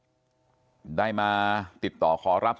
ตรของหอพักที่อยู่ในเหตุการณ์เมื่อวานนี้ตอนค่ำบอกให้ช่วยเรียกตำรวจให้หน่อย